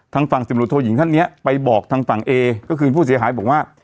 ทางฝั่งสิบรุโทยิงท่านเนี้ยไปบอกทางฝั่งเอก็คือผู้เสียหายบอกว่า